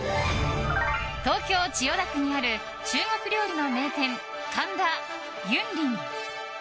東京・千代田区にある中国料理の名店、神田雲林。